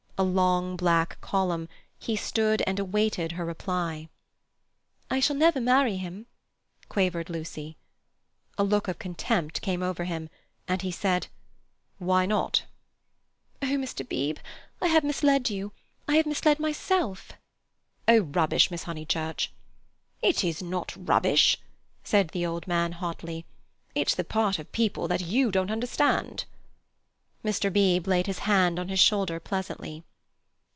A long black column, he stood and awaited her reply. "I shall never marry him," quavered Lucy. A look of contempt came over him, and he said, "Why not?" "Mr. Beebe—I have misled you—I have misled myself—" "Oh, rubbish, Miss Honeychurch!" "It is not rubbish!" said the old man hotly. "It's the part of people that you don't understand." Mr. Beebe laid his hand on the old man's shoulder pleasantly.